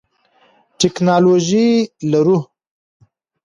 ټکنالوژي لرو.